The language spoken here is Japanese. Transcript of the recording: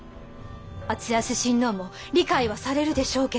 敦康親王も理解はされるでしょうけど。